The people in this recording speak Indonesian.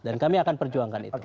dan kami akan perjuangkan itu